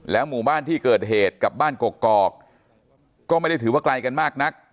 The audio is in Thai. หมู่บ้านที่เกิดเหตุกับบ้านกกอกก็ไม่ได้ถือว่าไกลกันมากนัก